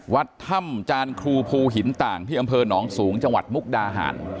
วัดถ้ำจานครูภูหินต่างที่อำเภอหนองสูงจังหวัดมุกดาหาร